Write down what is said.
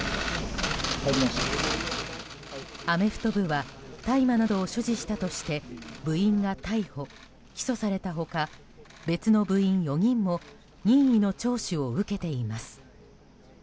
アメフト部は大麻などを所持したとして部員が逮捕・起訴された他別の部員４人も任意の聴取を受けています。